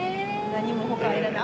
何も他はいらない。